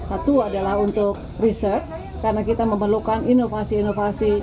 satu adalah untuk riset karena kita memerlukan inovasi inovasi